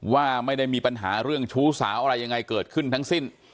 ว่าไม่ได้มีปัญหาเรื่องชู้สาวอะไรยังไงเกิดขึ้นทั้งสิ้น